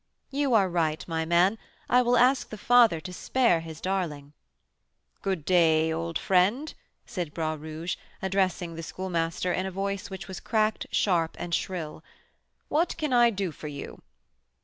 "You are right, my man; I will ask the father to spare his darling." "Good day, old friend," said Bras Rouge, addressing the Schoolmaster, in a voice which was cracked, sharp, and shrill. "What can I do for you?"